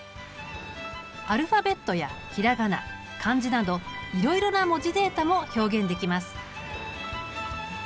アルファベットや平仮名漢字などいろいろな文字データも表現できます。